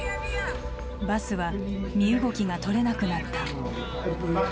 バスは身動きが取れなくなった。